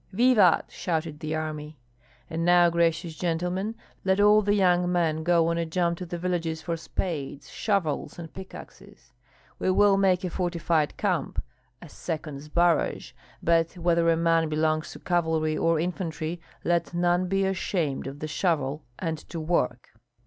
"Vivat!" shouted the army. "And now, gracious gentlemen, let all the young men go on a jump to the villages for spades, shovels, and pickaxes. We will make a fortified camp, a second Zbaraj! But whether a man belongs to cavalry or infantry, let none be ashamed of the shovel, and to work!"